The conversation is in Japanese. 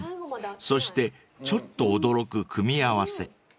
［そしてちょっと驚く組み合わせ］